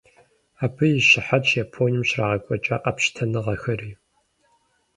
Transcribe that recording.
Абы и щыхьэтщ Японием щрагъэкӀуэкӀа къэпщытэныгъэхэри.